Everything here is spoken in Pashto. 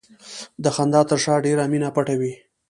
د خندا تر شا ډېره مینه پټه وي.